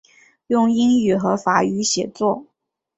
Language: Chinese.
用英语和法语写作。